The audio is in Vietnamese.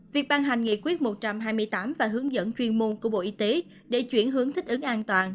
việc ban hành nghị quyết một trăm hai mươi tám và hướng dẫn chuyên môn của bộ y tế để chuyển hướng thích ứng an toàn